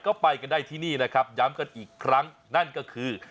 ก็ไปกันได้ที่นี่นะครับย้ำกันอีกครั้งนั่นก็คือ